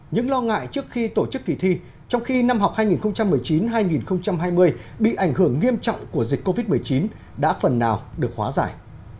những lo ngại trước khi tổ chức kỳ thi trong khi năm học hai nghìn một mươi chín hai nghìn hai mươi bị ảnh hưởng nghiêm trọng của dịch covid một mươi chín đã phần nào được hóa giải